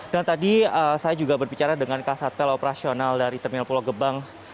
dan tadi saya juga berbicara dengan ksatpel operasional dari terminal pulau gebang